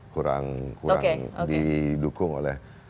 kurang didukung oleh